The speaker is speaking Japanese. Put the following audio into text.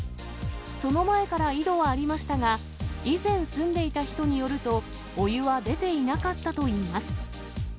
その前から井戸はありましたが、以前住んでいた人によると、お湯は出ていなかったといいます。